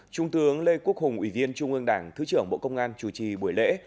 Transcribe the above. trung tướng lê quốc hùng ủy viên trung ương đảng thứ trưởng bộ công an chủ trì buổi lễ